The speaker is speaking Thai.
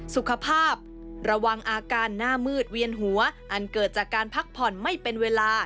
สุขภาพระวังอาการหน้ามืดเวียนหัวอันเกิดจากการพักผ่อนไม่เป็นเวลา